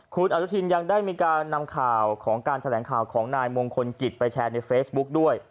คุณอนุทินยังได้มีการนำข่าวของการแถลงข่าวของนายมงคลกิจไปแชร์ในเฟซบุ๊กด้วย